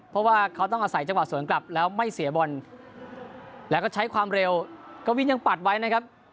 เพราะว่าเขาต้องอาศัยจังหวะสวนกลับแล้วไม่เสียบอลแล้วก็ใช้ความเร็วกวินยังปัดไว้นะครับ